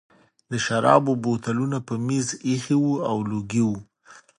د شرابو بوتلونه په مېز ایښي وو او لوګي وو